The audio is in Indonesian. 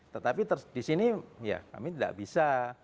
tetapi di sini ya kami tidak bisa